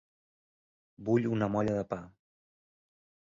Vull una molla de pa.